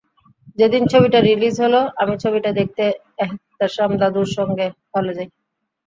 যেদিন ছবিটা রিলিজ হলো, আমি ছবিটা দেখতে এহতেশাম দাদুর সঙ্গে হলে যাই।